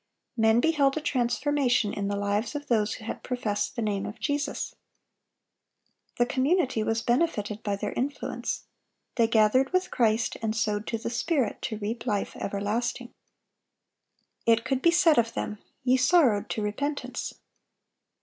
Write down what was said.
Men beheld a transformation in the lives of those who had professed the name of Jesus. The community was benefited by their influence. They gathered with Christ, and sowed to the Spirit, to reap life everlasting. It could be said of them: "Ye sorrowed to repentance."